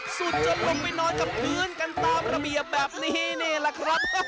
สุดจนลงไปนอนกับพื้นกันตามระเบียบแบบนี้นี่แหละครับ